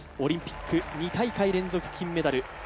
オリンピック２大会連続金メダル。